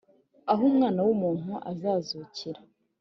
Aho umwana w umuntu azazukira